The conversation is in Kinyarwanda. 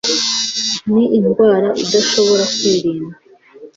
Ni indwara idashobora kwirindwa.